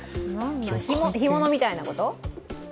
干物みたいなこと？